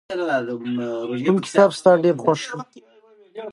کوم کتاب ستا ډېر خوښ دی؟